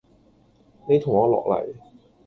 你同我落黎!